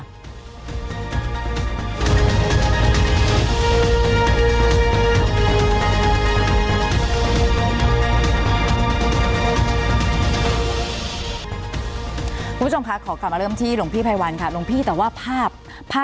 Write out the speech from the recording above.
คุณผู้ชมคะขอกลับมาเริ่มที่หลวงพี่ภัยวันค่ะหลวงพี่แต่ว่าภาพภาพ